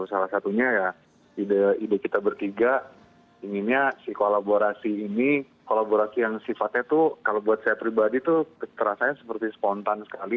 salah satunya ya ide kita bertiga inginnya si kolaborasi ini kolaborasi yang sifatnya tuh kalau buat saya pribadi tuh terasanya seperti spontan sekali